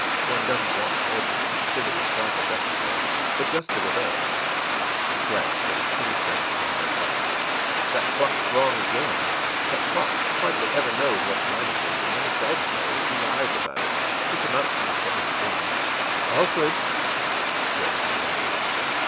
One doesn't want the edge of captivity sharpened up, you know, but just the reverse.î He glanced at his pretty French mantel clock. ìThat clock's wrong again. That clock hardly ever knows what time it is; and when it does know, it lies about it which amounts to the same thing. Alfred!î There was no answer.